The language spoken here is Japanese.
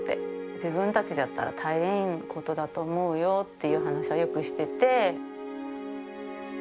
「自分たちだったら耐えられんことだと思うよ」っていう話はよくしてて。